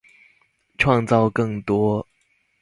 創造更多